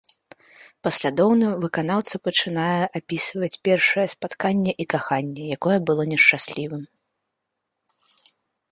Паслядоўна выканаўца пачынае апісвае першае спатканне і каханне, якое было не шчаслівым.